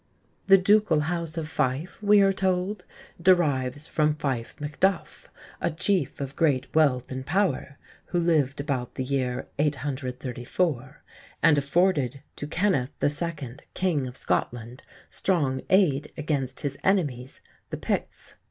The Ducal House of Fife, we are told, "derives from Fyfe Macduff, a chief of great wealth and power, who lived about the year 834, and afforded to Kenneth II., King of Scotland, strong aid against his enemies, the Picts."